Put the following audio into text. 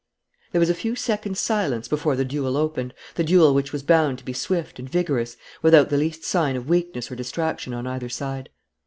There was a few seconds' silence before the duel opened, the duel which was bound to be swift and vigorous, without the least sign of weakness or distraction on either side.